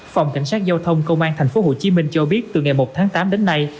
phòng cảnh sát giao thông công an tp hcm cho biết từ ngày một tháng tám đến nay